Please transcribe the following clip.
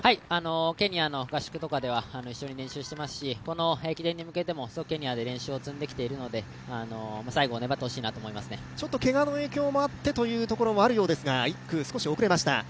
ケニアの合宿とかでは一緒に練習していますしこの駅伝に向けても、ケニアで練習を積んできているので最後、粘ってほしいなと思いますねけがの影響もあってというところもあるようですが、１区遅れました。